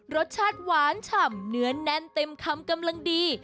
รสชาติหวานฉ่ำเนื้อแน่นเต็มคำกำลังดี